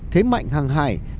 thế mạnh hàng hải